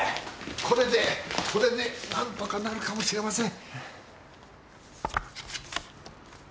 これでこれで何とかなるかもしれません。